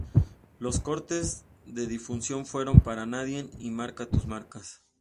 Los cortes de difusión fueron "Para nadie" y "Marca tus marcas".